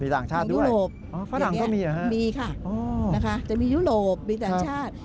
มีต่างชาติด้วยฝรั่งก็มีเหรอครับอ๋อมีค่ะจะมียุโรปมีต่างชาติ